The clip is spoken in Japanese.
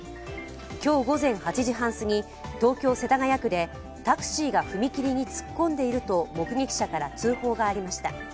今日午前８時半すぎ、東京・世田谷区でタクシーが踏切に突っ込んでいると目撃者から通報がありました。